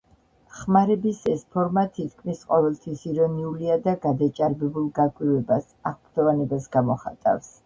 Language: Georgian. ხმარების ეს ფორმა თითქმის ყოველთვის ირონიულია და გადაჭარბებულ გაკვირვებას, აღფრთოვანებას გამოხატავს.